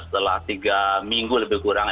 setelah tiga minggu lebih kurang